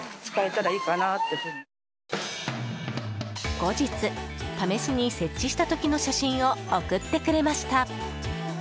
後日、試しに設置した時の写真を送ってくれました。